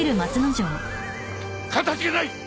かたじけない！